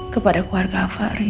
kepada keluarga afa'ri